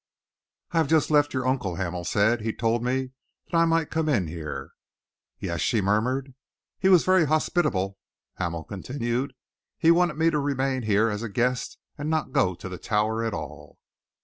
"I have just left your uncle," Hamel said. "He told me that I might come in here." "Yes?" she murmured. "He was very hospitable," Hamel continued. "He wanted me to remain here as a guest and not go to the Tower at all."